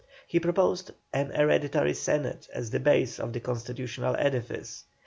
He proposed an hereditary Senate as the base of the constitutional edifice.